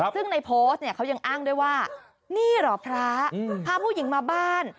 ซึ่งในโพสต์เนี่ยเขายังอ้างด้วยว่านี่เหรอพระพาผู้หญิงมาบ้าน